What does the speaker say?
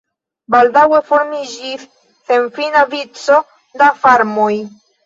Baldaŭe formiĝis senfina vico da farmoj.